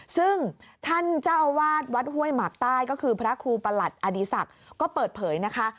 ซึ่งท่านเจ้าอาวาสวัดห้วยหมากใต้ก็คือพระครูประหลัดอดีศักดิ์ก็เปิดเผยนะคะ